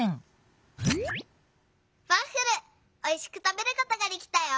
「ワッフルおいしくたべることができたよ！